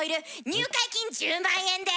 入会金１０万円で！